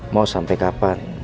mau sampai kapan